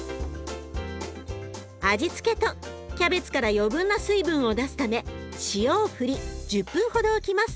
味付けとキャベツから余分な水分を出すため塩を振り１０分ほど置きます。